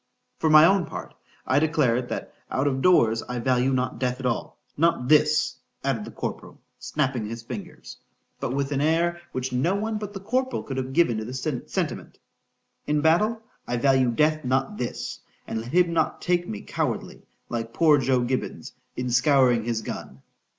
For my own part, I declare it, that out of doors, I value not death at all:—not this .. added the corporal, snapping his fingers,—but with an air which no one but the corporal could have given to the sentiment.—In battle, I value death not this ... and let him not take me cowardly, like poor Joe Gibbins, in scouring his gun.